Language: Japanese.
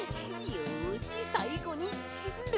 よしさいごにルチタン！